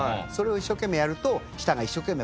それを一生懸命やると。